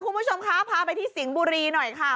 คุณผู้ชมคะพาไปที่สิงห์บุรีหน่อยค่ะ